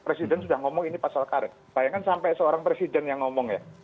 presiden sudah ngomong ini pasal karet bayangkan sampai seorang presiden yang ngomong ya